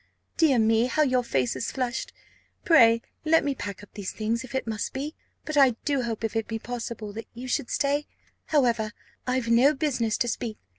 Dear me, how your face is flushed! Pray let me pack up these things, if it must be. But I do hope, if it be possible, that you should stay. However, I've no business to speak.